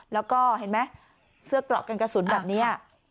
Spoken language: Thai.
แล้วก็เห็นไหมเสื้อเกราะกันกระสุนแบบนี้